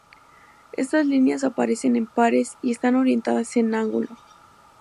Estas líneas aparecen en pares y están orientadas en ángulo.